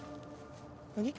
何？